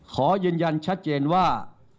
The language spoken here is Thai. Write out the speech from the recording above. ขอยืนยันชัดเจนว่า